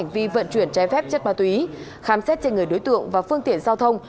vì vận chuyển trái phép chất ma túy khám xét trên người đối tượng và phương tiện giao thông